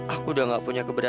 aku udah gak bisata dotermu